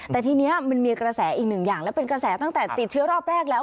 แต่ทีนี้มันมีกระแสอีกหนึ่งอย่างแล้วเป็นกระแสตั้งแต่ติดเชื้อรอบแรกแล้ว